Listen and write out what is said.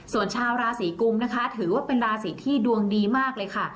ส่วนชาวราศีกุมนะคะถือว่าเป็นราศีที่ดวงดีมากเลยค่ะ